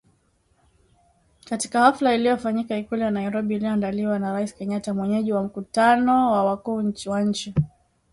katika hafla iliyofanyika Ikulu ya Nairobi iliyoandaliwa na Rais Kenyatta mwenyeji wa mkutano wa wakuu wa nchi